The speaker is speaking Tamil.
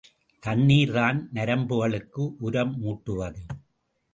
தண்ணீர் தான் நரம்புகளுக்கு உரமூட்டுவது.